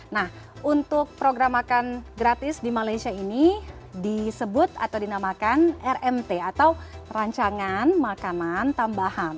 nah untuk program makan gratis di malaysia ini disebut atau dinamakan rmt atau rancangan makanan tambahan